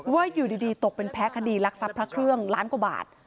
ว่าอยู่ดีตกเป็นแพ้คดีรักทรัพย์พระเครื่องล้านกว่าบาท